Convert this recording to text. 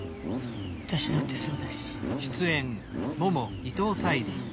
私だってそうだし。